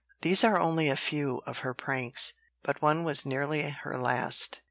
These are only a few of her pranks, but one was nearly her last.